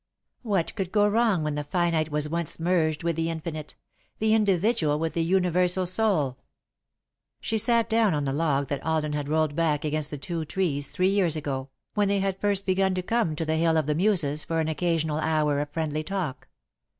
What could go wrong when the finite was once merged with the infinite, the individual with the universal soul? She sat down on the log that Alden had rolled back against the two trees, three years ago, when they had first begun to come to the Hill of the Muses for an occasional hour of friendly talk.